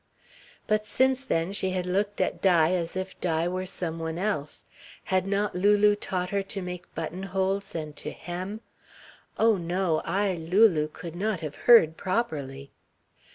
But since then she had looked at Di as if Di were some one else. Had not Lulu taught her to make buttonholes and to hem oh, no! Lulu could not have heard properly.